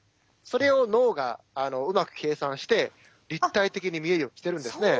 それを脳がうまく計算して立体的に見えるようにしてるんですね。